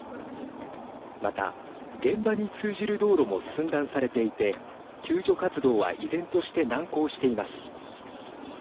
また、現場に通じる道路も寸断されていて救助活動は依然として難航しています。